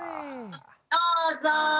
どうぞ。